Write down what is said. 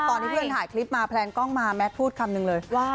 ตอนที่เพื่อนถ่ายคลิปมาแพลนกล้องมาแมทพูดคำนึงเลยว่า